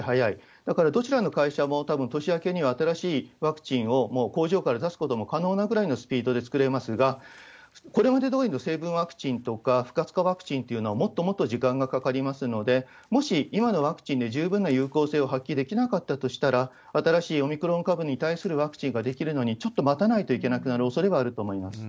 だからどちらの会社も、たぶん年明けには新しいワクチンをもう工場から出すことも可能なぐらいのスピードで作れますが、これまでどおりの成分ワクチンとか、不活化ワクチンというのは、もっともっと時間がかかりますので、もし今のワクチンで十分な有効性を発揮できなかったとしたら、新しいオミクロン株に対するワクチンが出来るのにちょっと待たないといけなくなるおそれはあると思います。